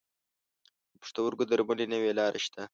د پښتورګو درملنې نوي لارې شته.